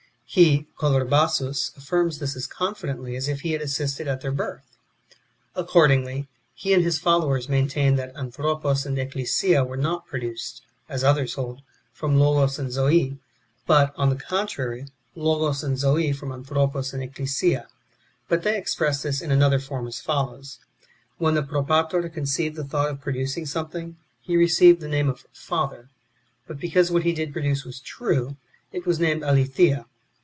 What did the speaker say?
He (Colorbasus) affirms this as confidently as if he had assisted at their birth. Accordingly, he and his followers maintain that Anthropos and Ecclesia were not produced,'^ as others hold, from Logos and Zoe ; but, on the contrary, Logos and Zoe from Anthropos and Ecclesia. But they express this in another form, as follows : When the Propator conceived the thought of producing something, he received the name of Father. But because what he did produce was true, it was named Aletheia.